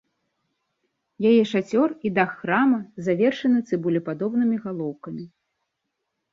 Яе шацёр і дах храма завершаны цыбулепадобнымі галоўкамі.